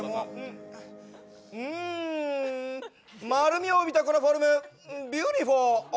うん、丸みを帯びたこのフォルムビューリフォー。